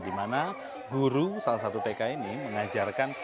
di mana guru salah satu tk ini mengajarkan